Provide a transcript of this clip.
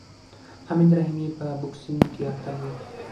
حمید رحیمي په بوکسینګ کې اتل و.